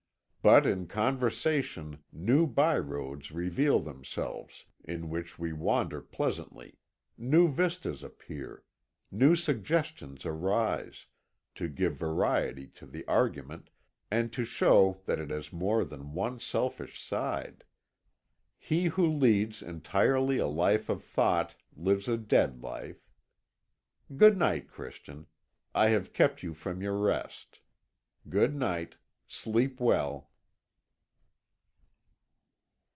But in conversation new byeroads reveal themselves, in which we wander pleasantly new vistas appear new suggestions arise, to give variety to the argument and to show that it has more than one selfish side. He who leads entirely a life of thought lives a dead life. Good night, Christian. I have kept you from your rest. Good night. Sleep well."